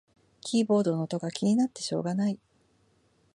キーボードの音が気になってしょうがない